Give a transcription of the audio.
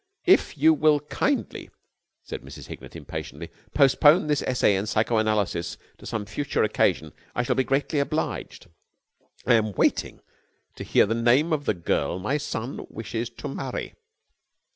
"If you will kindly," said Mrs. Hignett impatiently, "postpone this essay in psycho analysis to some future occasion I shall be greatly obliged. I am waiting to hear the name of the girl my son wishes to marry."